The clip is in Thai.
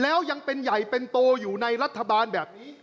แล้วยังเป็นใหญ่เป็นโตอยู่ในรัฐบาลแบบนี้